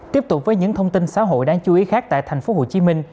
tiếp tục với những thông tin xã hội đáng chú ý khác tại tp hcm